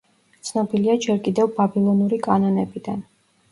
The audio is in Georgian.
ცნობილია ჯერ კიდევ ბაბილონური კანონებიდან.